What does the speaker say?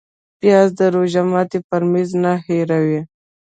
پیاز د روژه ماتي پر میز نه هېروې